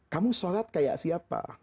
kamu sholat seperti siapa